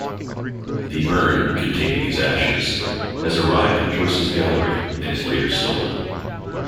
The urn, containing his ashes, has arrived in Joyce's gallery, and is later stolen.